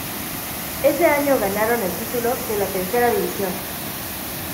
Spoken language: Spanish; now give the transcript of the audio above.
Ese año ganaron el título de la Tercera División.